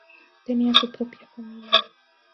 Tenía su propia familia.